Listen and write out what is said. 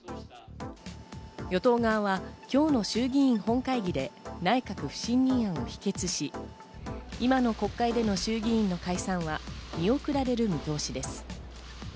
与党側は今日の衆議院本会議で、内閣不信任案を否決し、今の国会での衆議院の解散は見送られる見通しです。